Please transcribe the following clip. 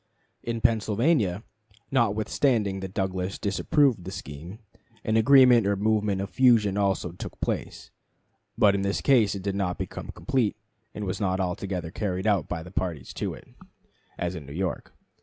In Pennsylvania, notwithstanding that Douglas disapproved the scheme, an agreement or movement of fusion also took place; but in this case it did not become complete, and was not altogether carried out by the parties to it, as in New York.